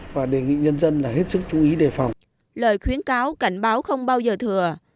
và đề nghị nhân dân là hết sức chú ý đề phòng lời khuyến cáo cảnh báo không bao giờ thừa